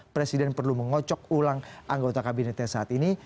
presiden perlu mengocok ulang anggota kabinetnya saat ini